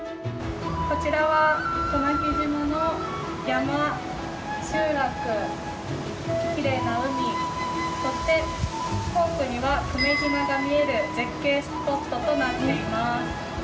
こちらは渡名喜島の山、集落、きれいな海、そして遠くには久米島が見える、絶景スポットとなっています。